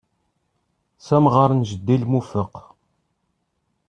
S amɣar n jeddi lmufeq.